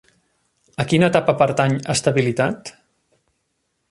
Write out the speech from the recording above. A quina etapa pertany Estabilitat?